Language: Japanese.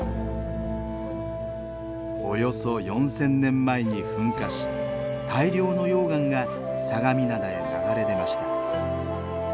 およそ４，０００年前に噴火し大量の溶岩が相模灘へ流れ出ました。